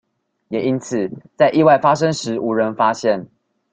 也因此在意外發生時無人發現